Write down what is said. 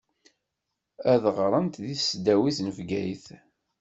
Ad ɣṛent di tesdawit n Bgayet.